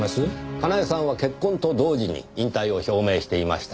かなえさんは結婚と同時に引退を表明していました。